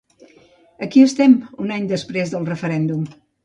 Aquí estem, un any després del referèndum.